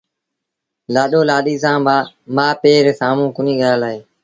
لآڏو لآڏيٚ سآݩ مآ پي ري سآمهون ڪونهيٚ ڳآلآئي